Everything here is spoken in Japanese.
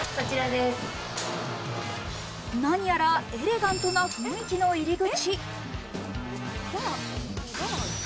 なにやらエレガントな雰囲気の入り口。